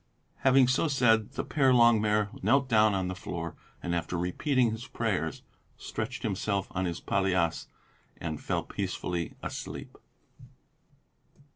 Having so said, the Père Longuemare knelt down on the floor, and after repeating his prayers, stretched himself on his palliasse and fell peacefully asleep.